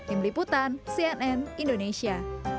im liputan cnn indonesia